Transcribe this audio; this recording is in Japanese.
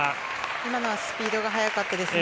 今のはスピードが速かったですね。